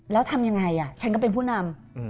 แล้วทำยังไงฉันก็เป็นผู้นำ